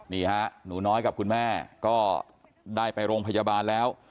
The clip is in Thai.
นี่ฮะหนูน้อยกับคุณแม่ก็ได้ไปโรงพยาบาลแล้ว